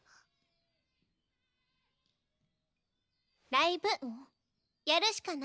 ライブやるしかないんやない？